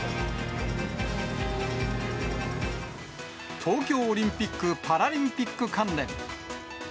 東京オリンピック・パラリンピック関連。